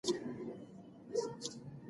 بزګر وویل چې سږکال مېوې ډیرې خوږې دي.